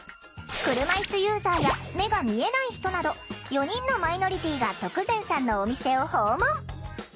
車いすユーザーや目が見えない人など４人のマイノリティーが徳善さんのお店を訪問。